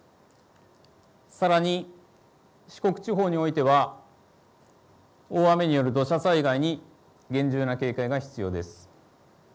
さらに四国地方においては大雨による土砂災害に厳重な警戒が必要です。